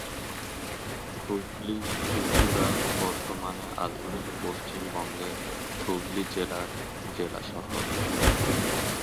হুগলী-চুঁচুড়া বর্তমানে আধুনিক পশ্চিমবঙ্গের হুগলি জেলার জেলা শহর।